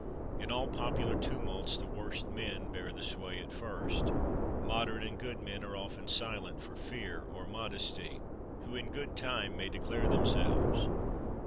In all popular tumults the worst men bear the sway at first. Moderate and good men are often silent for fear or modesty, who in good time may declare themselves.